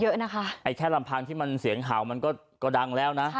อาจารย์ที่มันเสียงเขามันก็ดังแล้วนะ